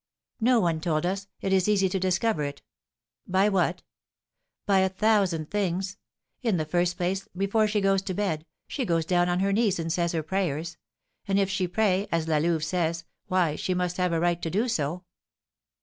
'No one told us; it is easy to discover it.' 'By what?' 'By a thousand things. In the first place, before she goes to bed, she goes down on her knees and says her prayers; and if she pray, as La Louve says, why, she must have a right to do so.'"